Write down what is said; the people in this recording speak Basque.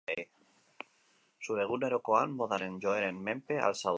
Zure egunerokoan, modaren joeren menpe al zaude?